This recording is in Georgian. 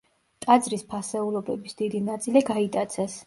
ტაძრის ფასეულობების დიდი ნაწილი გაიტაცეს.